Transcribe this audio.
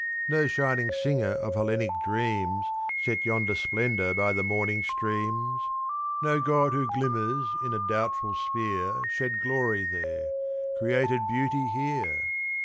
No shining singer of Hellenic dreams Set yonder splendour by the morning streams! No god who glimmers in a doubtful sphere Shed glory there created beauty here!